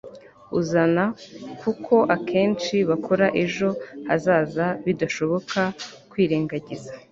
uzana kuko akenshi bakora ejo hazaza bidashoboka kwirengagiza